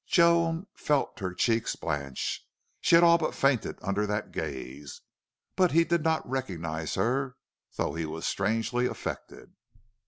Joan felt her cheeks blanch. She all but fainted under that gaze. But he did not recognize her, though he was strangely affected.